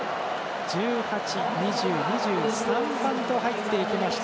１８、２０、２２、２３番と入っていきました。